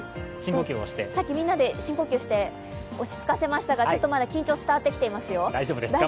さっきみんなで深呼吸して落ち着かせましたが、まだ緊張が伝わってきていますよ。